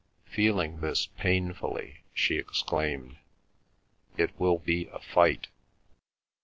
Feeling this painfully, she exclaimed, "It will be a fight."